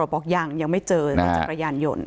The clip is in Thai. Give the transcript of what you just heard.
บอกยังยังไม่เจอนะครับจากระยานหย่น